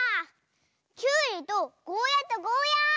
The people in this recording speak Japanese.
きゅうりとゴーヤーとゴーヤー！